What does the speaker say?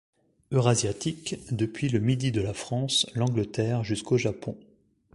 Eurasiatique, depuis le Midi de la France, l'Angleterre jusqu'au Japon.